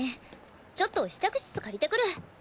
ちょっと試着室借りてくる。